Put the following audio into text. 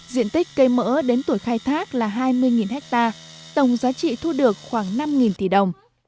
diện tích cây mỡ đến tuổi khai thác là hai mươi ha tổng giá trị thu được khoảng năm tỷ đồng